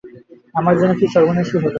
আমার জন্য কী সর্বনাশই হইল।